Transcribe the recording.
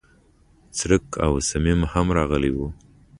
څرک او صمیم هم راغلي و.